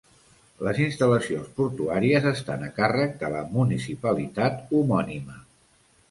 Les instal·lacions portuàries estan a càrrec de la Municipalitat homònima.